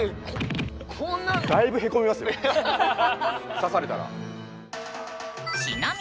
刺されたら。